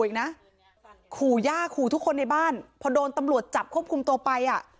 อีกนะขู่ย่าขู่ทุกคนในบ้านพอโดนตำรวจจับควบคุมตัวไปอ่ะ